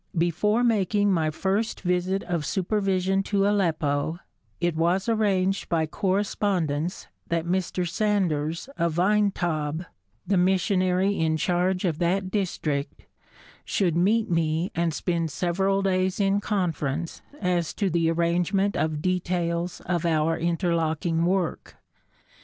Before making my first visit of supervision to Aleppo it was arranged by correspondence that Mr. Sanders of Aintab, the missionary in charge of that district, should meet me and spend several days in conference as to the arrangement of details of our interlocking work.